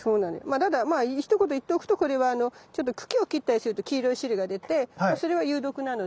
ただまあひと言言っとくとこれはあの茎を切ったりすると黄色い汁が出てそれは有毒なので。